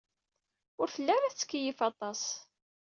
Ur telli ara tettkeyyif aṭas.